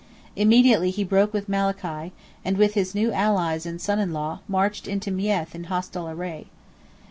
Immediately he broke with Malachy, and with his new allies and son in law, marched into Meath in hostile array.